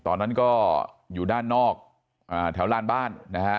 ตอนนั้นก็อยู่ด้านนอกแถวลานบ้านนะฮะ